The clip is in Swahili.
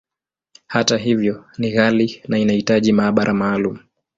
Hata hivyo, ni ghali, na inahitaji maabara maalumu.